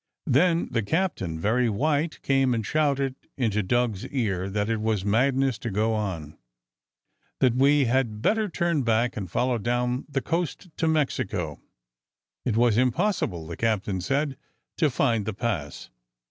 Then the captain, very white, came and shouted into Doug's ear that it was madness to go on, that we had better turn back and follow down the Coast to Mexico. It was impossible, the captain said, to find the Pass.